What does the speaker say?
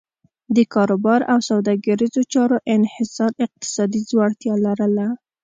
د کاروبار او سوداګریزو چارو انحصار اقتصادي ځوړتیا لرله.